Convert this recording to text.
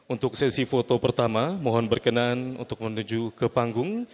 untuk sesi foto pertama mohon berkenan untuk menuju ke panggung